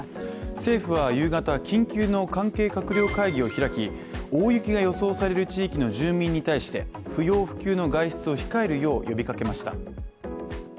政府は夕方、緊急の関係閣僚会議を開き大雪が予想される地域の住民に対して不要不急の外出を控えるよう呼びかけました。